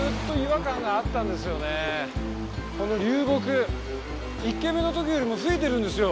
この流木１件目の時よりも増えてるんですよ。